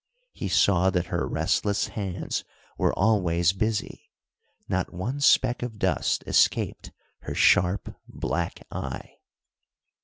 He saw that her restless hands were always busy; not one speck of dust escaped her sharp, black, eye.